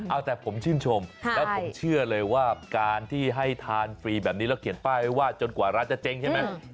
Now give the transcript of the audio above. เอาแต่ผมชื่นชมแล้วผมเชื่อเลยว่าการที่ให้ทานฟรีแบบนี้แล้วเขียนป้ายไว้ว่าจนกว่าร้านจะเจ๊งใช่ไหม